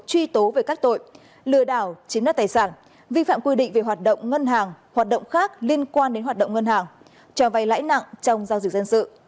truy tố về các tội lừa đảo chiếm đoạt tài sản vi phạm quy định về hoạt động ngân hàng hoạt động khác liên quan đến hoạt động ngân hàng cho vay lãi nặng trong giao dịch dân sự